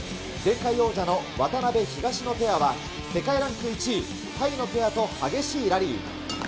前回王者の渡辺・東野ペアは、世界ランク１位、タイのペアと激しいラリー。